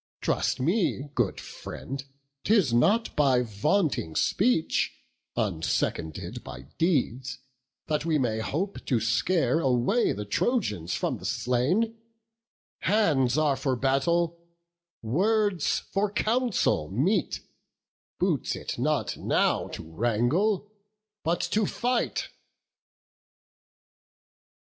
Trust me, good friend, 'tis not by vaunting speech, Unseconded by deeds, that we may hope To scare away the Trojans from the slain: Hands are for battle, words for council meet; Boots it not now to wrangle, but to fight."